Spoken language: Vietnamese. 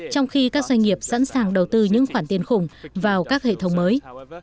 trong khi các doanh nghiệp sẵn sàng đầu tư những khoản tiền khủng vào các hệ thống mới